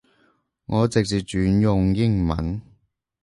我直接轉用英文